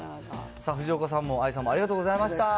藤岡さんも愛さんもありがとうございました。